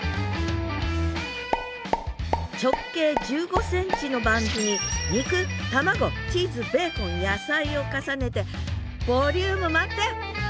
直径１５ｃｍのバンズに肉卵チーズベーコン野菜を重ねてボリューム満点！